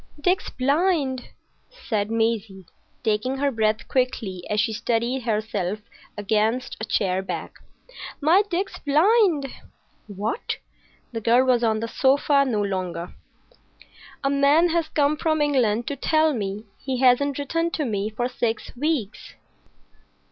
"Dick's blind!" said Maisie, taking her breath quickly as she steadied herself against a chair back. "My Dick's blind!" "What?" The girl was on the sofa no longer. "A man has come from England to tell me. He hasn't written to me for six weeks."